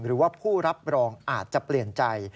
หรือผู้รับรองค์อาจเปลี่ยนใจ